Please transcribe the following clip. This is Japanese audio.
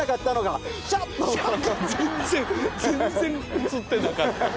全然映ってなかったホントに。